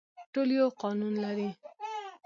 ټول یو قانون لري